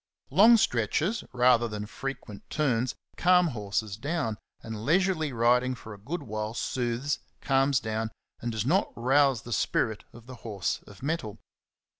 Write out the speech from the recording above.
Long stretches, rather than frequent turns, calm horses down, and leisurely riding for a good while soothes, calms down, and does not rouse the spirit of the horse of mettle.